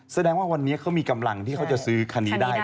แสดงว่าวันนี้เขามีกำลังที่เขาจะซื้อคันนี้ได้